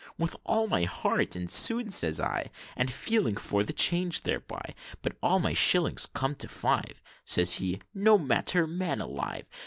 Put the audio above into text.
'With all my heart, and soon,' says I, And feeling for the change thereby; But all my shillings com'd to five Says he, 'No matter, man alive!